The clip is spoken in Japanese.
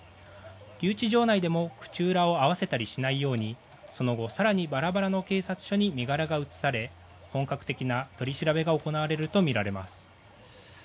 留置場内でも口裏を合わせたりしないようにその後、更にばらばらの警察署に身柄が移され本格的な取り調べが行われるとみられます。